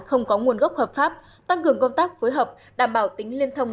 không có nguồn gốc hợp pháp tăng cường công tác phối hợp đảm bảo tính liên thông